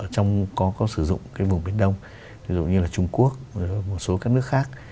cũng có sử dụng cái vùng biển đông ví dụ như là trung quốc một số các nước khác